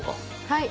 はい。